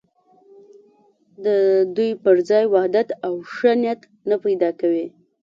د دوی پر ځای وحدت او ښه نیت نه پیدا کوي.